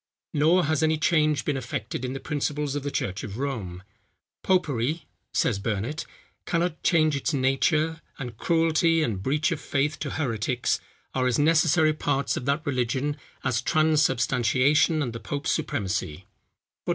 Nor has any change been effected in the principles of the church of Rome. "Popery," says Burnet, "cannot change its nature, and cruelty and breach of faith to heretics, are as necessary parts of that religion, as transubstantiation and the pope's supremacy."